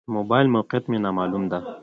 د موبایل موقعیت مې نا معلومه ده.